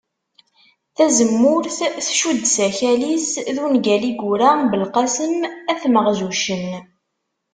Tazemmurt tcudd s akal-is d ungal i yura Belqesem At Maɣzuccen